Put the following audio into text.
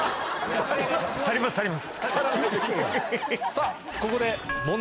さぁここで。